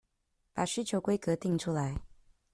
把需求規格訂出來